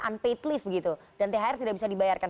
unpaid leave begitu dan thr tidak bisa dibayarkan